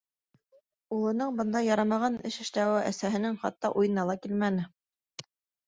Улының бындай ярамаған эш эшләүе әсәһенең хатта уйына ла килмәне.